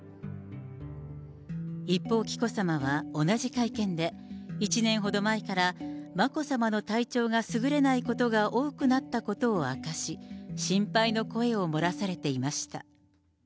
一方、紀子さまは同じ会見で、１年ほど前から、まこさまの体調がすぐれないことが多くなったことを明かし、心配の声を漏らされていました。